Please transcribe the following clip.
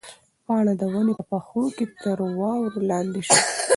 پاڼه د ونې په پښو کې تر واورو لاندې شوه.